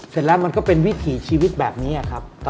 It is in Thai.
เสร็จแล้วมันก็เป็นวิถีชีวิตแบบนี้ครับ